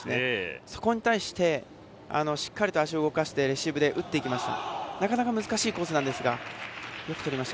そこに対してしっかりと足を動かして打っていきました。